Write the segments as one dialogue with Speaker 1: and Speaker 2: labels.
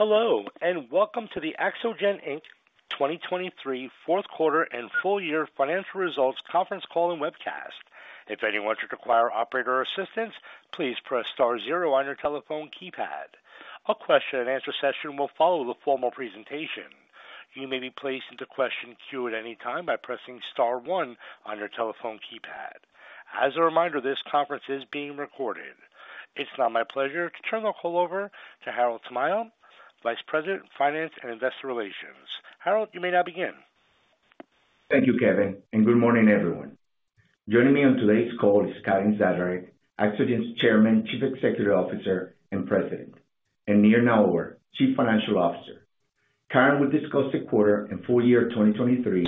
Speaker 1: Hello, and welcome to the Axogen, Inc. 2023 Fourth Quarter and Full Year Financial Results Conference Call and Webcast. If anyone should require operator assistance, please press star zero on your telephone keypad. A question-and-answer session will follow the formal presentation. You may be placed into question queue at any time by pressing star one on your telephone keypad. As a reminder, this conference is being recorded. It's now my pleasure to turn the call over to Harold Tamayo, Vice President, Finance and Investor Relations. Harold, you may now begin.
Speaker 2: Thank you, Kevin, and good morning, everyone. Joining me on today's call is Karen Zaderej, Axogen's Chairman, Chief Executive Officer, and President, and Nir Naor, Chief Financial Officer. Karen will discuss the quarter and full year 2023,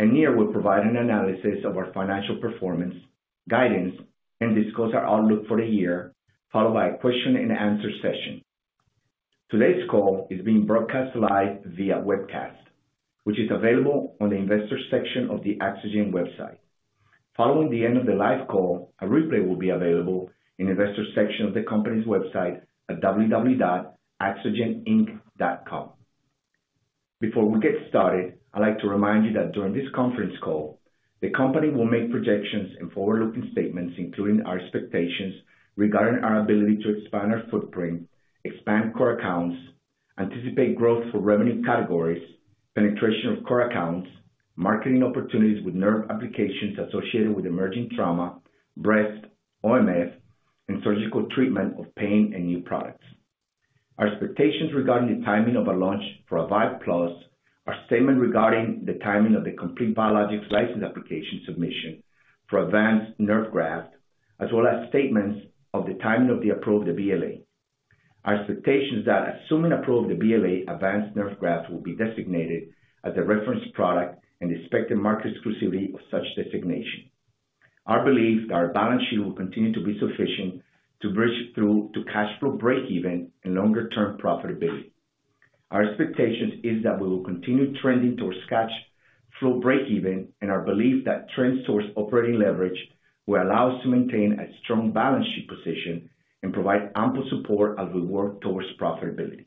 Speaker 2: and Nir will provide an analysis of our financial performance, guidance, and discuss our outlook for the year, followed by a question-and-answer session. Today's call is being broadcast live via webcast, which is available on the Investors section of the Axogen website. Following the end of the live call, a replay will be available in Investors section of the company's website at www.axogeninc.com. Before we get started, I'd like to remind you that during this conference call, the company will make projections and forward-looking statements, including our expectations regarding our ability to expand our footprint, expand core accounts, anticipate growth for revenue categories, penetration of core accounts, marketing opportunities with nerve applications associated with emergent trauma, breast, OMF, and surgical treatment of pain and new products. Our expectations regarding the timing of a launch for Avive+, our statement regarding the timing of the complete Biologics License Application submission for Avance Nerve Graft, as well as statements of the timing of the approved BLA. Our expectations that, assuming approved the BLA, Avance Nerve Graft will be designated as a reference product and expected market exclusivity of such designation. Our belief that our balance sheet will continue to be sufficient to bridge through to cash flow breakeven and longer-term profitability. Our expectation is that we will continue trending towards cash flow breakeven, and our belief that trends towards operating leverage will allow us to maintain a strong balance sheet position and provide ample support as we work towards profitability.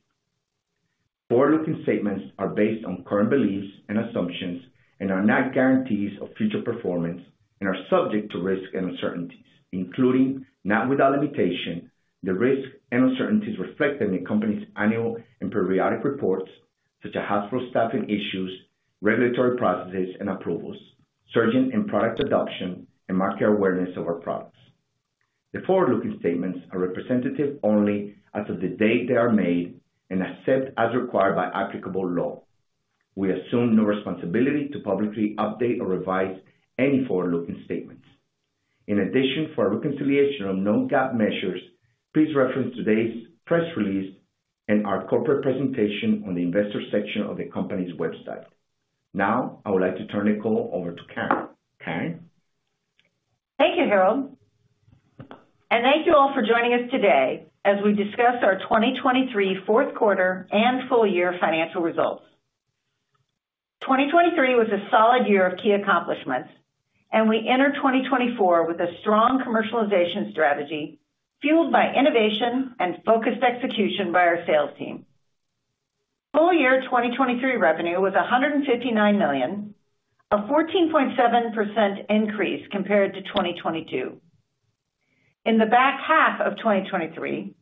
Speaker 2: Forward-looking statements are based on current beliefs and assumptions and are not guarantees of future performance and are subject to risks and uncertainties, including, not without limitation, the risks and uncertainties reflected in the company's annual and periodic reports, such as hospital staffing issues, regulatory processes and approvals, surgeon and product adoption, and market awareness of our products. The forward-looking statements are representative only as of the date they are made and except as required by applicable law. We assume no responsibility to publicly update or revise any forward-looking statements. In addition, for a reconciliation of non-GAAP measures, please reference today's press release and our corporate presentation on the Investor section of the company's website. Now, I would like to turn the call over to Karen. Karen?
Speaker 3: Thank you, Harold, and thank you all for joining us today as we discuss our 2023 fourth quarter and full year financial results. 2023 was a solid year of key accomplishments, and we enter 2024 with a strong commercialization strategy, fueled by innovation and focused execution by our sales team. Full year 2023 revenue was $159 million, a 14.7% increase compared to 2022. In the back half of 2023,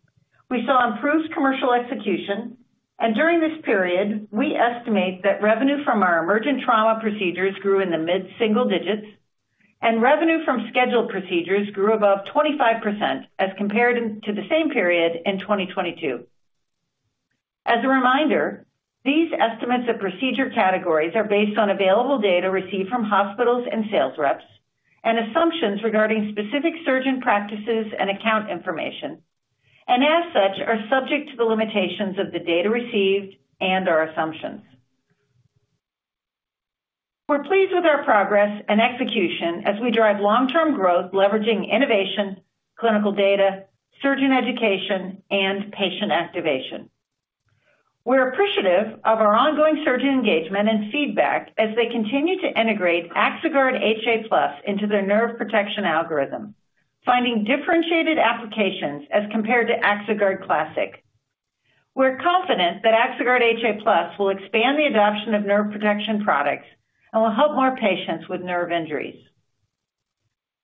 Speaker 3: we saw improved commercial execution, during this period, we estimate that revenue from our emergent trauma procedures grew in the mid-single digits, and revenue from scheduled procedures grew above 25% as compared to the same period in 2022. As a reminder, these estimates of procedure categories are based on available data received from hospitals and sales reps and assumptions regarding specific surgeon practices and account information, and as such, are subject to the limitations of the data received and/or assumptions. We're pleased with our progress and execution as we drive long-term growth, leveraging innovation, clinical data, surgeon education, and patient activation. We're appreciative of our ongoing surgeon engagement and feedback as they continue to integrate Axoguard HA+ into their nerve protection algorithm, finding differentiated applications as compared to Axoguard Classic. We're confident that Axoguard HA+ will expand the adoption of nerve protection products and will help more patients with nerve injuries.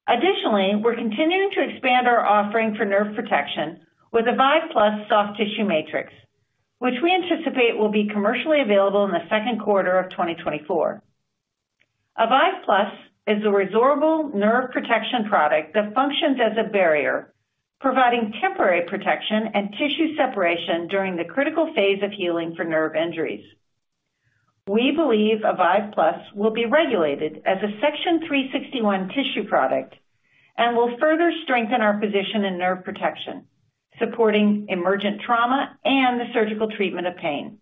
Speaker 3: Additionally, we're continuing to expand our offering for nerve protection with Avive+ Soft Tissue Matrix, which we anticipate will be commercially available in the second quarter of 2024. Avive+ is a resorbable nerve protection product that functions as a barrier, providing temporary protection and tissue separation during the critical phase of healing for nerve injuries. We believe Avive+ will be regulated as a Section 361 tissue product and will further strengthen our position in nerve protection, supporting emergent trauma and the surgical treatment of pain.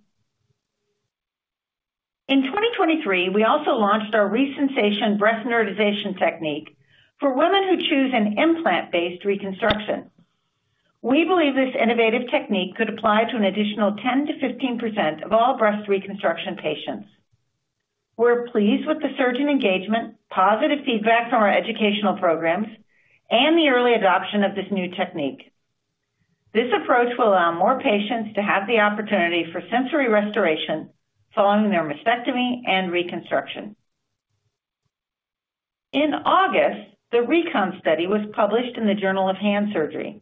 Speaker 3: In 2023, we also launched our ReSensation breast neurotization technique for women who choose an implant-based reconstruction. We believe this innovative technique could apply to an additional 10%-15% of all breast reconstruction patients. We're pleased with the surgeon engagement, positive feedback from our educational programs, and the early adoption of this new technique. This approach will allow more patients to have the opportunity for sensory restoration following their mastectomy and reconstruction. In August, the RECON study was published in the Journal of Hand Surgery.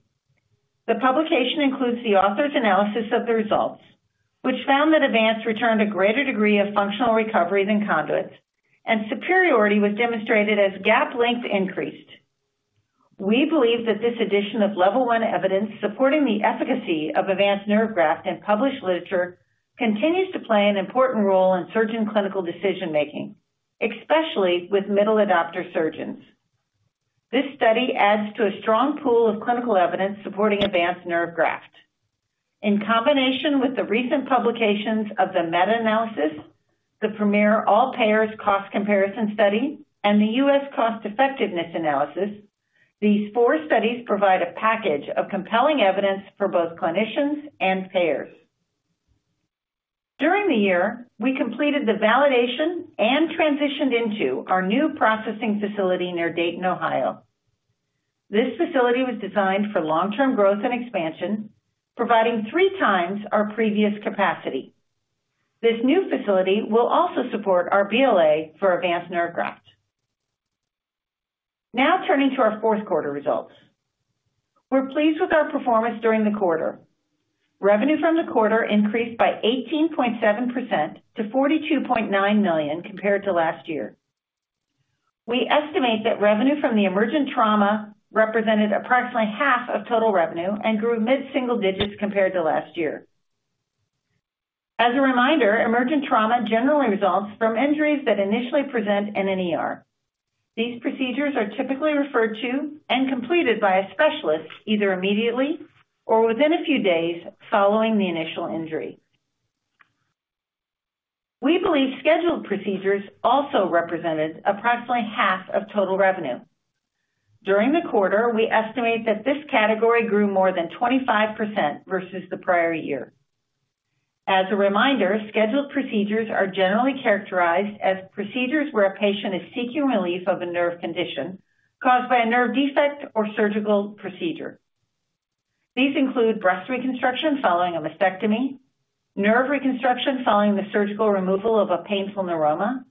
Speaker 3: The publication includes the author's analysis of the results, which found that Avance returned a greater degree of functional recovery than conduits, and superiority was demonstrated as gap length increased. We believe that this addition of level one evidence supporting the efficacy of Avance Nerve Graft in published literature continues to play an important role in surgeon clinical decision-making, especially with middle adopter surgeons. This study adds to a strong pool of clinical evidence supporting Avance Nerve Graft. In combination with the recent publications of the meta-analysis, the premier all-payers cost comparison study, and the US cost-effectiveness analysis, these four studies provide a package of compelling evidence for both clinicians and payers. During the year, we completed the validation and transitioned into our new processing facility near Dayton, Ohio. This facility was designed for long-term growth and expansion, providing three times our previous capacity. This new facility will also support our BLA for Avance Nerve Graft. Now turning to our fourth quarter results. We're pleased with our performance during the quarter. Revenue from the quarter increased by 18.7% to $42.9 million compared to last year. We estimate that revenue from the emergent trauma represented approximately half of total revenue and grew mid-single digits compared to last year. As a reminder, emergent trauma generally results from injuries that initially present in an ER. These procedures are typically referred to and completed by a specialist, either immediately or within a few days following the initial injury. We believe scheduled procedures also represented approximately half of total revenue. During the quarter, we estimate that this category grew more than 25% versus the prior year. As a reminder, scheduled procedures are generally characterized as procedures where a patient is seeking relief of a nerve condition caused by a nerve defect or surgical procedure. These include breast reconstruction following a mastectomy, nerve reconstruction following the surgical removal of a painful neuroma,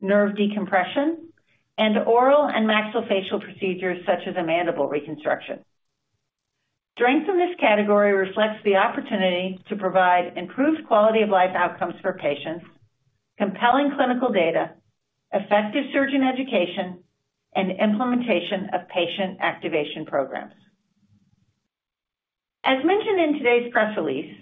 Speaker 3: nerve decompression, and oral and maxillofacial procedures, such as a mandible reconstruction. Strength in this category reflects the opportunity to provide improved quality of life outcomes for patients, compelling clinical data, effective surgeon education, and implementation of patient activation programs. As mentioned in today's press release,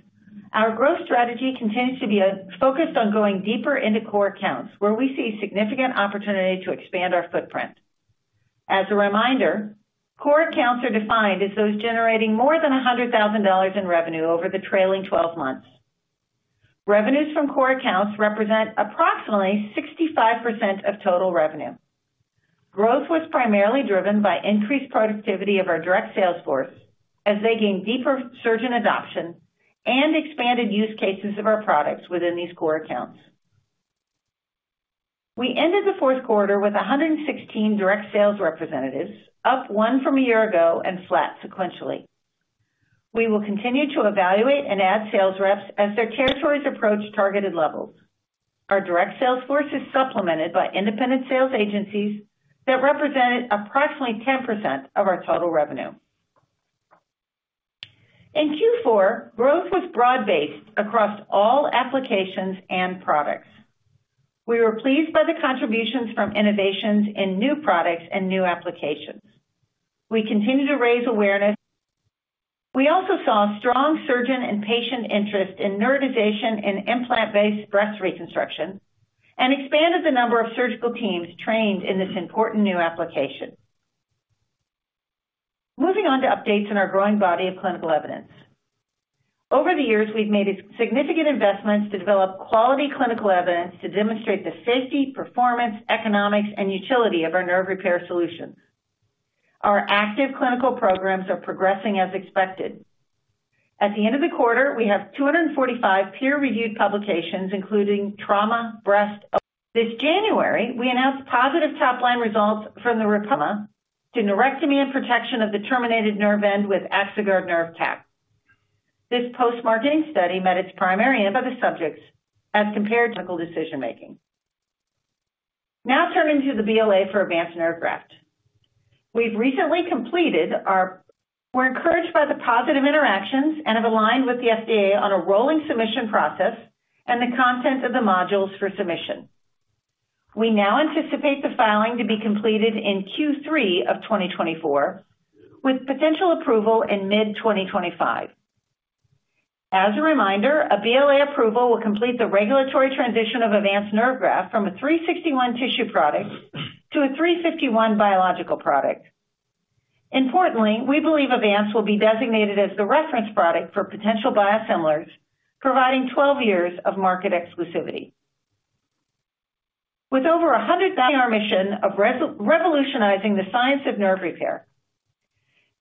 Speaker 3: our growth strategy continues to be focused on going deeper into core accounts, where we see significant opportunity to expand our footprint. As a reminder, core accounts are defined as those generating more than $100,000 in revenue over the trailing twelve months. Revenues from core accounts represent approximately 65% of total revenue. Growth was primarily driven by increased productivity of our direct sales force as they gained deeper surgeon adoption and expanded use cases of our products within these core accounts. We ended the fourth quarter with 116 direct sales representatives, up one from a year ago and flat sequentially. We will continue to evaluate and add sales reps as their territories approach targeted levels. Our direct sales force is supplemented by independent sales agencies that represented approximately 10% of our total revenue. In Q4, growth was broad-based across all applications and products. We were pleased by the contributions from innovations in new products and new applications. We continue to raise awareness. We also saw strong surgeon and patient interest in neurotization and implant-based breast reconstruction, and expanded the number of surgical teams trained in this important new application. Moving on to updates in our growing body of clinical evidence. Over the years, we've made significant investments to develop quality clinical evidence to demonstrate the safety, performance, economics, and utility of our nerve repair solutions. Our active clinical programs are progressing as expected. At the end of the quarter, we have 245 peer-reviewed publications, including trauma, breast. This January, we announced positive top-line results from the REPOSE study and protection of the terminated nerve end with Axoguard Nerve Cap. This post-marketing study met its primary and other subjects as compared to clinical decision-making. Now turning to the BLA for Avance Nerve Graft. We're encouraged by the positive interactions and have aligned with the FDA on a rolling submission process and the content of the modules for submission. We now anticipate the filing to be completed in Q3 of 2024, with potential approval in mid-2025. As a reminder, a BLA approval will complete the regulatory transition of Avance Nerve Graft from a 361 tissue product to a 351 biological product. Importantly, we believe Avance will be designated as the reference product for potential biosimilars, providing 12 years of market exclusivity. With over 100... Our mission of revolutionizing the science of nerve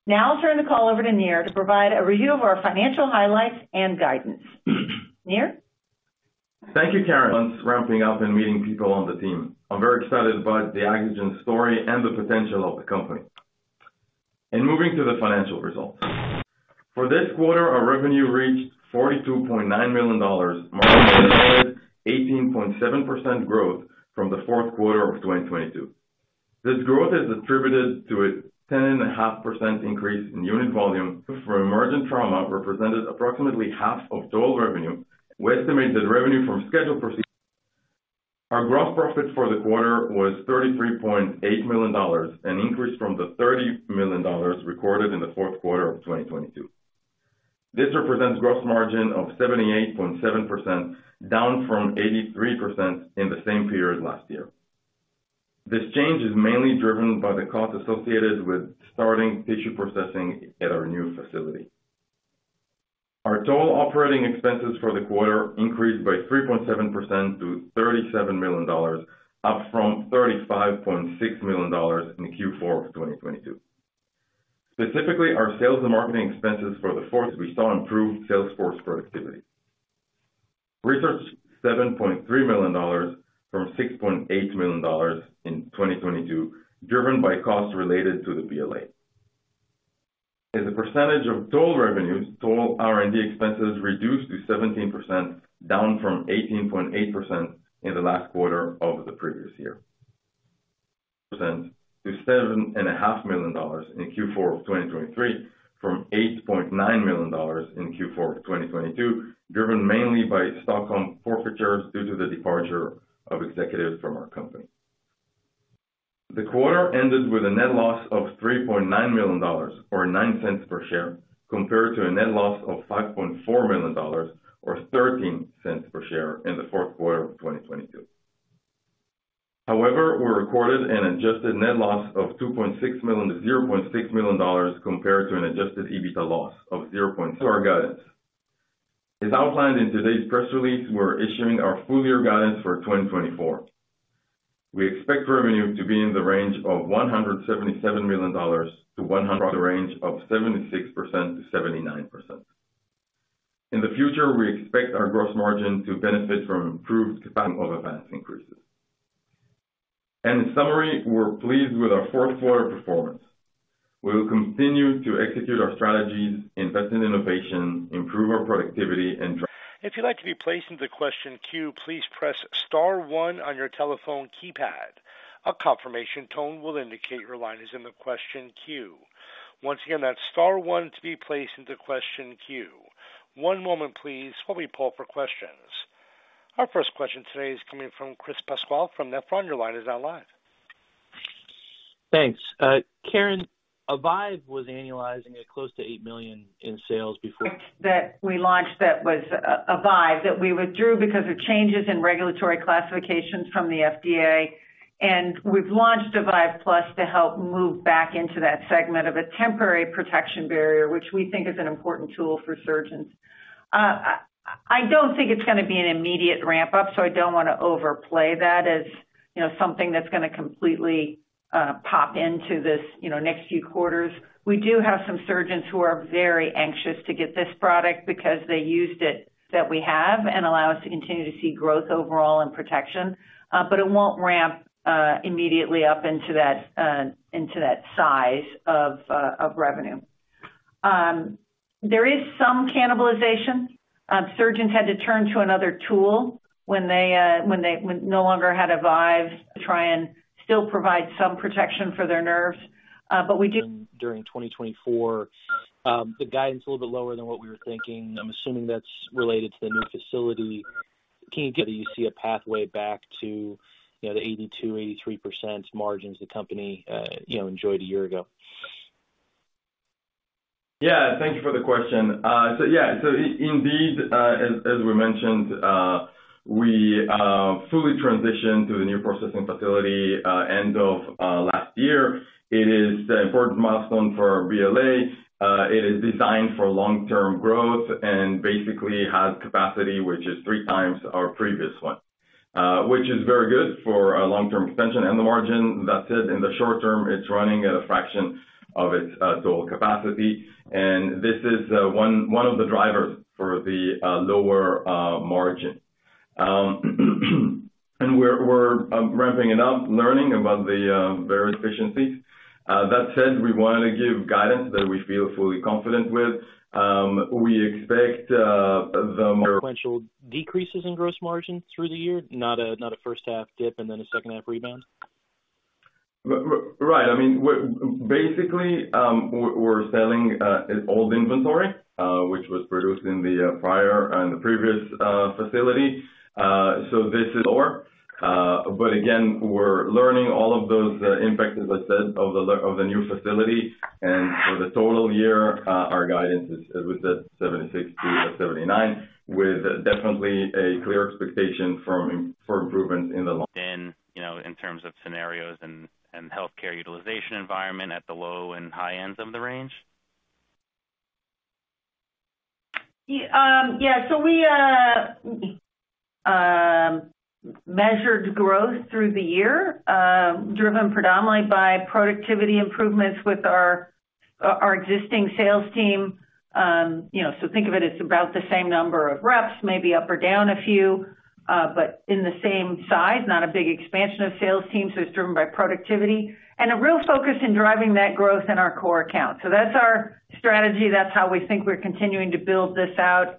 Speaker 3: repair. Now I'll turn the call over to Nir to provide a review of our financial highlights and guidance. Nir?
Speaker 4: Thank you, Karen. Since ramping up and meeting people on the team, I'm very excited about the Axogen story and the potential of the company. Moving to the financial results. For this quarter, our revenue reached $42.9 million, marking 18.7% growth from the fourth quarter of 2022. This growth is attributed to a 10.5% increase in unit volume from emergent trauma, represented approximately half of total revenue. We estimate that revenue from scheduled proceed-- Our gross profit for the quarter was $33.8 million, an increase from the $30 million recorded in the fourth quarter of 2022. This represents gross margin of 78.7%, down from 83% in the same period last year. This change is mainly driven by the costs associated with starting tissue processing at our new facility. Our total operating expenses for the quarter increased by 3.7% to $37 million, up from $35.6 million in Q4 of 2022. Specifically, our sales and marketing expenses for the fourth, we saw improved sales force productivity. Research, $7.3 million from $6.8 million in 2022, driven by costs related to the BLA. As a percentage of total revenues, total R&D expenses reduced to 17%, down from 18.8% in the last quarter of the previous year. Percent to $7.5 million in Q4 of 2023, from $8.9 million in Q4 of 2022, driven mainly by stock forfeitures due to the departure of executives from our company. The quarter ended with a net loss of $3.9 million, or $0.09 per share, compared to a net loss of $5.4 million, or $0.13 per share in the fourth quarter of 2022. However, we recorded an adjusted net loss of $2.6 million-$0.6 million compared to an adjusted EBITDA loss of zero point- Our guidance. As outlined in today's press release, we're issuing our full year guidance for 2024. We expect revenue to be in the range of $177 million to $100- the range of 76%-79%. In the future, we expect our gross margin to benefit from improved capacity over price increases. In summary, we're pleased with our fourth quarter performance. We will continue to execute our strategies, invest in innovation, improve our productivity, and-
Speaker 1: If you'd like to be placed into question queue, please press star one on your telephone keypad. A confirmation tone will indicate your line is in the question queue. Once again, that's star one to be placed into question queue. One moment please, while we pull for questions. Our first question today is coming from Chris Pasquale from Nephron Research. Your line is now live.
Speaker 5: Thanks. Karen, Avive was annualizing at close to $8 million in sales before-
Speaker 3: That we launched that was Avive+, that we withdrew because of changes in regulatory classifications from the FDA, and we've launched Avive+ to help move back into that segment of a temporary protection barrier, which we think is an important tool for surgeons. I don't think it's gonna be an immediate ramp-up, I don't want to overplay that as, something that's gonna completely pop into this, you know, next few quarters. We do have some surgeons who are very anxious to get this product because they used it that we have and allow us to continue to see growth overall in protection. It won't ramp immediately up into that into that size of of revenue. There is some cannibalization. Surgeons had to turn to another tool when they no longer had Avive to try and still provide some protection for their nerves. But we do....
Speaker 5: During 2024. The guidance is a little bit lower than what we were thinking. I'm assuming that's related to the new facility. Can you give, do you see a pathway back to, you know, the 82%-83% margins the company, you know, enjoyed a year ago?
Speaker 4: Yeah, thank you for the question. Yeah. So indeed, as we mentioned, we fully transitioned to the new processing facility end of last year. It is an important milestone for our BLA. It is designed for long-term growth and basically has capacity, which is three times our previous one, which is very good for our long-term expansion and the margin. That said, in the short term, it's running at a fraction of its total capacity, and this is one of the drivers for the lower margin. We're ramping it up, learning about the various efficiencies. That said, we want to give guidance that we feel fully confident with. We expect the more..
Speaker 5: ..sequential decreases in gross margin through the year, not a, not a first half dip and then a second half rebound?
Speaker 4: Right. I mean, we're basically selling old inventory, which was produced in the prior and the previous facility. This is our... But again, we're learning all of those impacts, as I said, of the new facility. For the total year, our guidance is, as we said, $76-$79, with definitely a clear expectation for improvement in the long.
Speaker 5: Then, you know, in terms of scenarios and healthcare utilization environment at the low and high ends of the range?
Speaker 3: Yeah, We measured growth through the year, driven predominantly by productivity improvements with our existing sales team. Think of it as about the same number of reps, maybe up or down a few, but in the same size, not a big expansion of sales teams. It's driven by productivity and a real focus in driving that growth in our core accounts. That's our strategy. That's how we think we're continuing to build this out.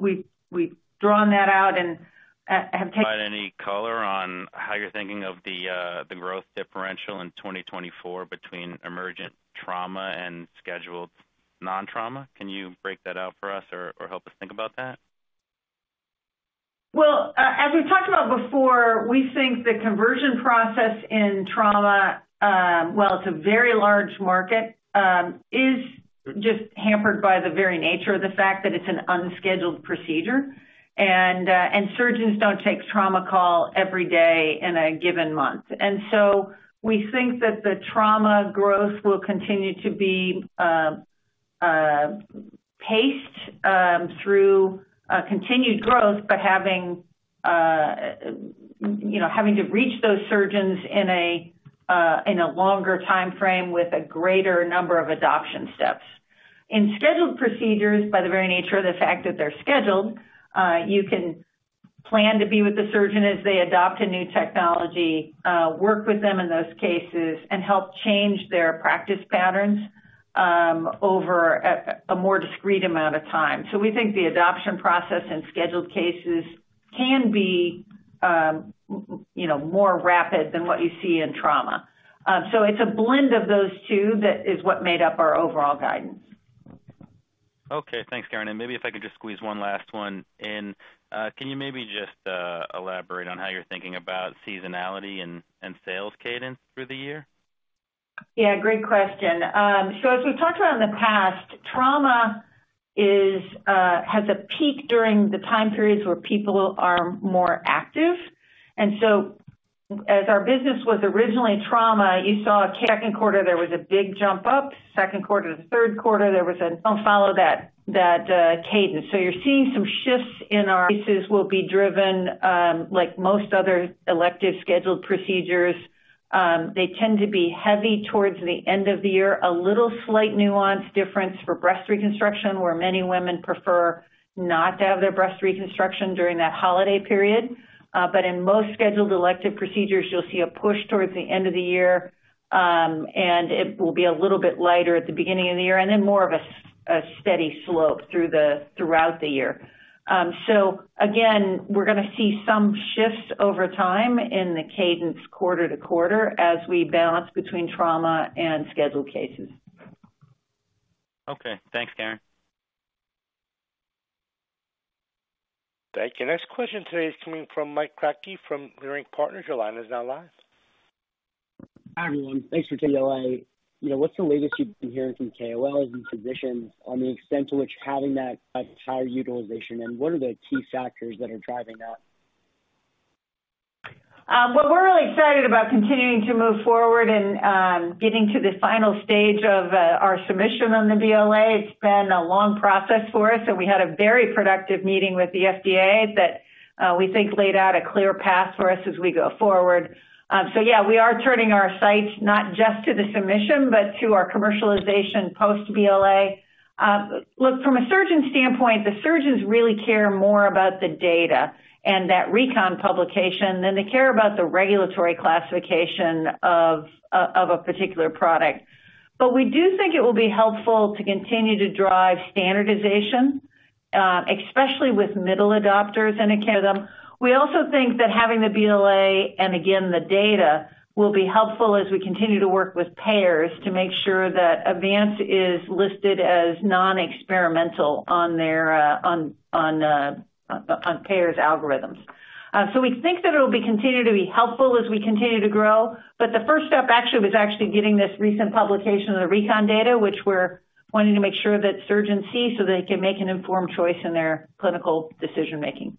Speaker 3: We've drawn that out and have taken-
Speaker 5: Provide any color on how you're thinking of the growth differential in 2024 between emergent trauma and scheduled non-trauma? Can you break that out for us or, or help us think about that?
Speaker 3: Well, as we've talked about before, we think the conversion process in trauma, while it's a very large market, is just hampered by the very nature of the fact that it's an unscheduled procedure, and surgeons don't take trauma call every day in a given month. We think that the trauma growth will continue to be paced through continued growth, but having you know, having to reach those surgeons in a longer timeframe with a greater number of adoption steps. In scheduled procedures, by the very nature of the fact that they're scheduled, you can plan to be with the surgeon as they adopt a new technology, work with them in those cases, and help change their practice patterns over a more discrete amount of time. We think the adoption process in scheduled cases can be, you know, more rapid than what you see in trauma. It's a blend of those two that is what made up our overall guidance.
Speaker 5: Okay, thanks, Karen. Maybe if I could just squeeze one last one in. Can you maybe just elaborate on how you're thinking about seasonality and sales cadence through the year?
Speaker 3: Yeah, great question. As we've talked about in the past, trauma is has a peak during the time periods where people are more active. As our business was originally trauma, you saw a second quarter, there was a big jump up. Second quarter to the third quarter, there was a follow that cadence. You're seeing some shifts in our cases will be driven, like most other elective scheduled procedures, they tend to be heavy towards the end of the year. A little slight nuance difference for breast reconstruction, where many women prefer not to have their breast reconstruction during that holiday period. In most scheduled elective procedures, you'll see a push towards the end of the year, and it will be a little bit lighter at the beginning of the year, and then more of a steady slope through the, throughout the year. Again, we're going to see some shifts over time in the cadence quarter to quarter as we balance between trauma and scheduled cases.
Speaker 5: Okay, thanks, Karen.
Speaker 1: Thank you. Next question today is coming from Mike Kratky from Leerink Partners. Your line is now live.
Speaker 6: Hi, everyone. Thanks for taking the line. What's the latest you've been hearing from KOLs and physicians on the extent to which having that entire utilization, what are the key factors that are driving that?
Speaker 3: Well, we're really excited about continuing to move forward and, getting to the final stage of, our submission on the BLA. It's been a long process for us, and we had a very productive meeting with the FDA that, we think laid out a clear path for us as we go forward. Yeah, we are turning our sights not just to the submission, but to our commercialization post BLA. Look, from a surgeon standpoint, the surgeons really care more about the data and that RECON publication than they care about the regulatory classification of, of a particular product. We do think it will be helpful to continue to drive standardization, especially with middle adopters and account them. We also think that having the BLA, and again, the data, will be helpful as we continue to work with payers to make sure that Avance is listed as non-experimental on their payers' algorithms. We think that it'll be continued to be helpful as we continue to grow, but the first step actually was getting this recent publication of the RECON data, which we're wanting to make sure that surgeons see so they can make an informed choice in their clinical decision making.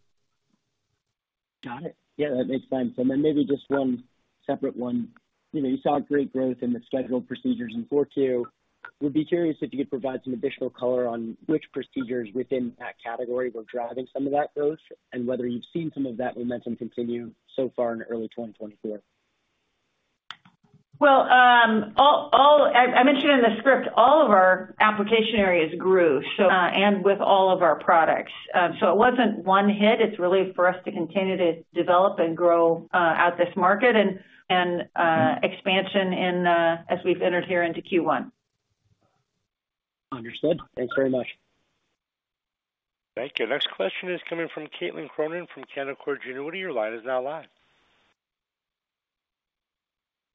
Speaker 6: Got it. Yeah, that makes sense. Then maybe just one separate one. You know, you saw great growth in the scheduled procedures in Q4 2022. Would be curious if you could provide some additional color on which procedures within that category were driving some of that growth, and whether you've seen some of that momentum continue so far in early 2024.
Speaker 3: Well, all I mentioned in the script, all of our application areas grew, so and with all of our products. It wasn't one hit. It's really for us to continue to develop and grow at this market and expansion in as we've entered here into Q1.
Speaker 6: Understood. Thanks very much.
Speaker 1: Thank you. Next question is coming from Caitlin Cronin from Canaccord Genuity. Your line is now live.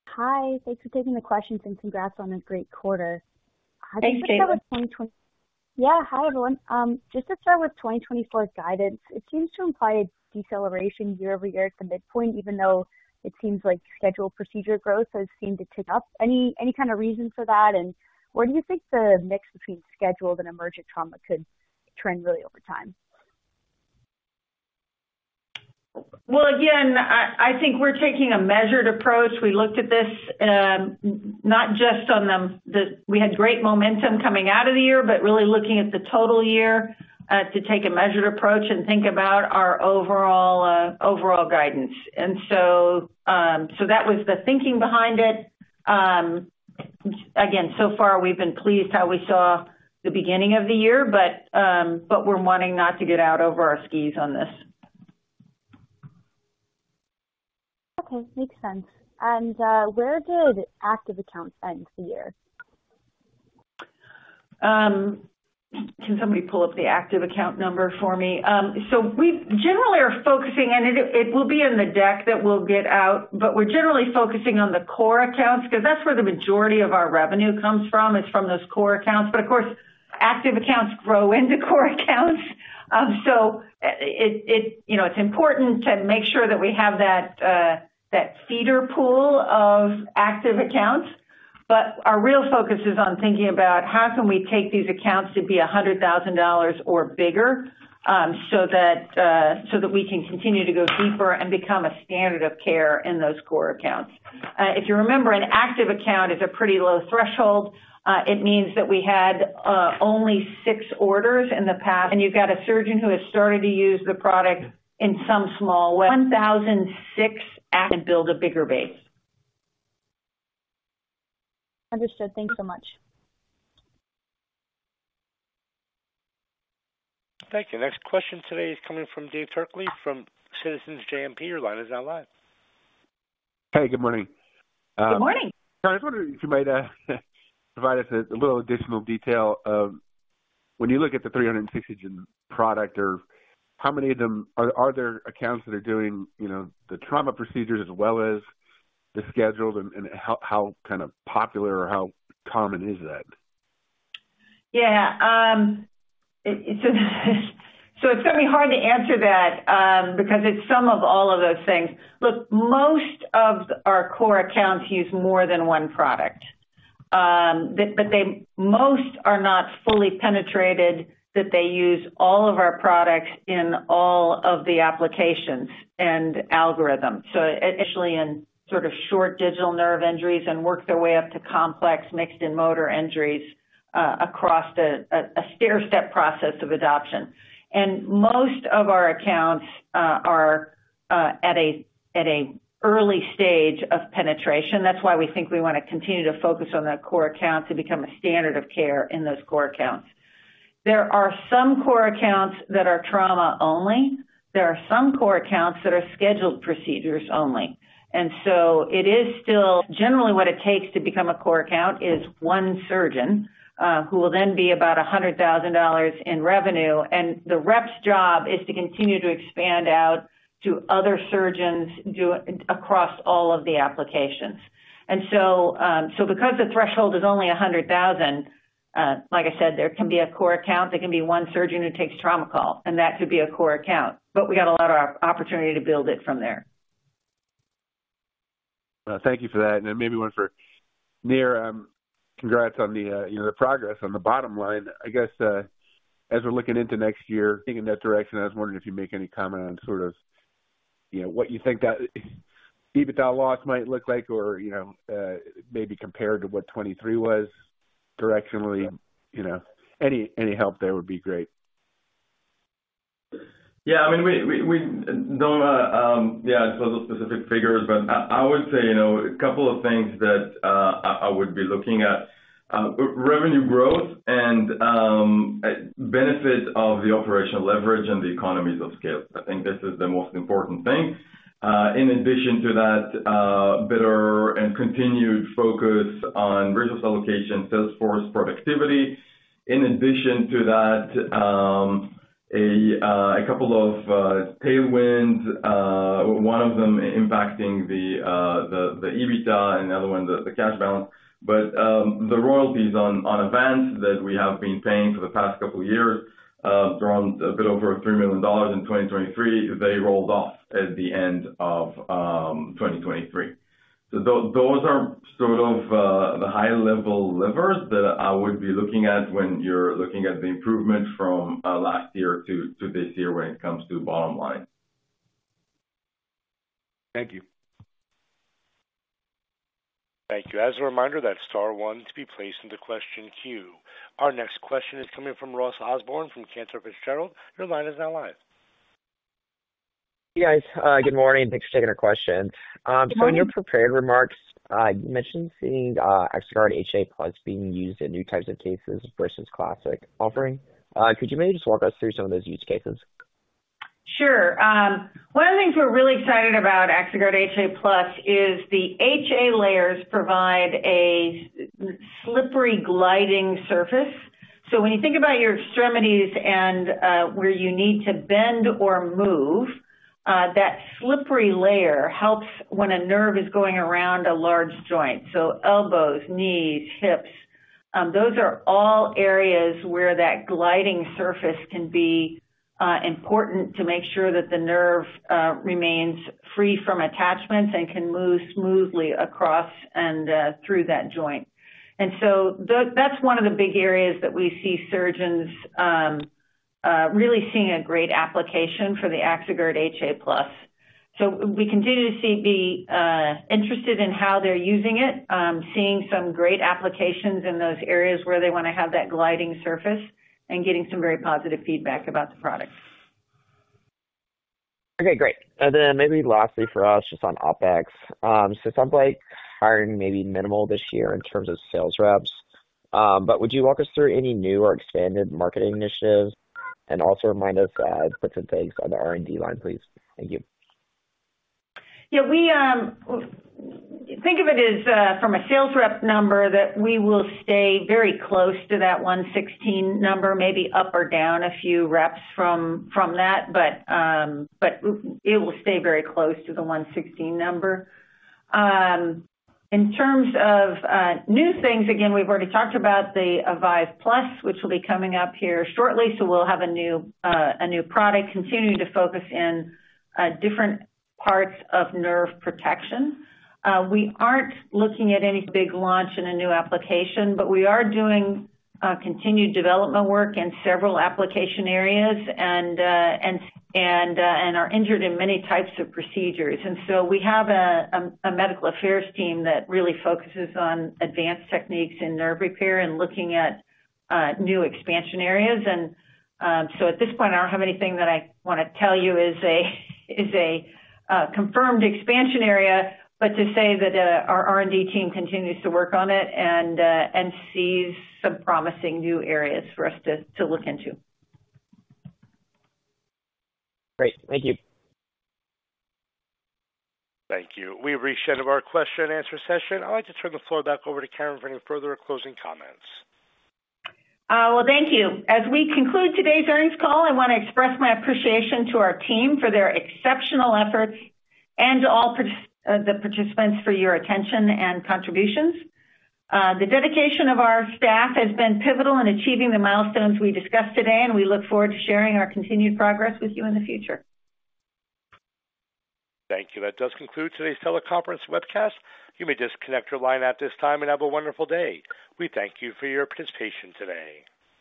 Speaker 7: Hi, thanks for taking the questions, and congrats on a great quarter.
Speaker 3: Thanks, Caitlin.
Speaker 7: Yeah. Hi, everyone. Just to start with 2024 guidance, it seems to imply a deceleration year-over-year at the midpoint, even though it seems like scheduled procedure growth has seemed to tick up. Any, any kind of reason for that? where do you think the mix between scheduled and emergent trauma could trend really over time?
Speaker 3: Well, again, I think we're taking a measured approach. We looked at this not just on the, we had great momentum coming out of the year, but really looking at the total year to take a measured approach and think about our overall guidance. That was the thinking behind it. Again, so far, we've been pleased how we saw the beginning of the year, but we're wanting not to get out over our skis on this.
Speaker 8: Okay, makes sense. Where did active accounts end the year?
Speaker 3: Can somebody pull up the active account number for me? We generally are focusing, and it will be in the deck that we'll get out, but we're generally focusing on the core accounts, 'cause that's where the majority of our revenue comes from, it's from those core accounts. Of course, active accounts grow into core accounts. It's important to make sure that we have that, that feeder pool of active accounts, but our real focus is on thinking about how can we take these accounts to be $100,000 or bigger, so that, so that we can continue to go deeper and become a standard of care in those core accounts. If you remember, an active account is a pretty low threshold. It means that we had only six orders in the past, and you've got a surgeon who has started to use the product in some small way. 1,006 active- and build a bigger base.
Speaker 9: Understood. Thank you so much.
Speaker 1: Thank you. Next question today is coming from David Turkaly from Citizens JMP. Your line is now live.
Speaker 10: Hey, good morning.
Speaker 3: Good morning.
Speaker 10: I was wondering if you might provide us a little additional detail of when you look at the 360 product, or how many of them. Are there accounts that are doing, you know, the trauma procedures as well as the schedules? how kind of popular or how common is that?
Speaker 3: Yeah, it's going to be hard to answer that, because it's some of all of those things. Look, most of our core accounts use more than one product. Most are not fully penetrated, that they use all of our products in all of the applications and algorithms. Initially, in sort of short digital nerve injuries and work their way up to complex, mixed in motor injuries, across a stairstep process of adoption. Most of our accounts are at an early stage of penetration. That's why we think we want to continue to focus on that core account to become a standard of care in those core accounts. There are some core accounts that are trauma only. There are some core accounts that are scheduled procedures only. It is still generally what it takes to become a core account is one surgeon who will then be about $100,000 in revenue, and the rep's job is to continue to expand out to other surgeons across all of the applications. Because the threshold is only $100,000, like I said, there can be a core account, there can be one surgeon who takes a trauma call, and that could be a core account, but we got a lot of opportunity to build it from there.
Speaker 10: Thank you for that. Then maybe one for Nir. Congrats on the, you know, the progress on the bottom line. I guess, as we're looking into next year, thinking in that direction, I was wondering if you'd make any comment on sort of, you know, what you think that EBITDA loss might look like or, you know, maybe compared to what 2023 was directionally... Any help there would be great.
Speaker 4: Yeah, I mean, we don't specific figures, I would say, you know, a couple of things that I would be looking at, revenue growth and benefit of the operational leverage and the economies of scale. I think this is the most important thing. In addition to that, better and continued focus on resource allocation, sales force productivity. In addition to that, a couple of tailwinds, one of them impacting the EBITDA and the other one, the cash balance. But the royalties on events that we have been paying for the past couple of years, around a bit over $3 million in 2023, they rolled off at the end of 2023.Those are sort of the high-level levers that I would be looking at when you're looking at the improvement from last year to this year when it comes to bottom line.
Speaker 10: Thank you.
Speaker 1: Thank you. As a reminder, that's star one to be placed into question queue. Our next question is coming from Ross Osborn from Cantor Fitzgerald. Your line is now live.
Speaker 9: Hey, guys, good morning. Thanks for taking our question.
Speaker 3: Good morning.
Speaker 9: In your prepared remarks, you mentioned seeing AxoGuard HA+ being used in new types of cases versus classic offering. Could you maybe just walk us through some of those use cases?
Speaker 3: Sure. One of the things we're really excited about Axoguard HA+ is the HA layers provide a slippery, gliding surface. When you think about your extremities and where you need to bend or move, that slippery layer helps when a nerve is going around a large joint. Elbows, knees, hips, those are all areas where that gliding surface can be important to make sure that the nerve remains free from attachments and can move smoothly across and through that joint. That's one of the big areas that we see surgeons really seeing a great application for the Axoguard HA+. We continue to see being interested in how they're using it, seeing some great applications in those areas where they wanna have that gliding surface and getting some very positive feedback about the product.
Speaker 9: Okay, great. Then maybe lastly, for us, just on OpEx. So sounds like hiring may be minimal this year in terms of sales reps. Would you walk us through any new or expanded marketing initiatives? And also remind us, what's at stake on the R&D line, please? Thank you.
Speaker 3: Yeah, we think of it as, from a sales rep number, that we will stay very close to that 116 number, maybe up or down a few reps from that. It will stay very close to the 116 number. In terms of new things, again, we've already talked about the Avive+, which will be coming up here shortly, so we'll have a new product continuing to focus in different parts of nerve protection. We aren't looking at any big launch in a new application, but we are doing continued development work in several application areas and are injured in many types of procedures. We have a medical affairs team that really focuses on advanced techniques in nerve repair and looking at new expansion areas. At this point, I don't have anything that I wanna tell you is a confirmed expansion area, but to say that our R&D team continues to work on it and sees some promising new areas for us to look into.
Speaker 9: Great. Thank you.
Speaker 1: Thank you. We've reached the end of our question-and-answer session. I'd like to turn the floor back over to Karen for any further closing comments.
Speaker 3: Well, thank you. As we conclude today's earnings call, I wanna express my appreciation to our team for their exceptional efforts and to all the participants for your attention and contributions. The dedication of our staff has been pivotal in achieving the milestones we discussed today, and we look forward to sharing our continued progress with you in the future.
Speaker 1: Thank you. That does conclude today's teleconference webcast. You may disconnect your line at this time and have a wonderful day. We thank you for your participation today.